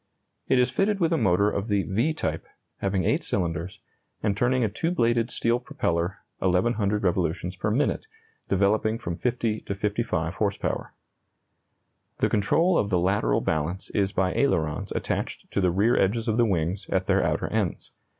It is fitted with a motor of the "V" type, having 8 cylinders, and turning a 2 bladed steel propeller 1,100 revolutions per minute, developing from 50 to 55 horse power. The control of the lateral balance is by ailerons attached to the rear edges of the wings at their outer ends.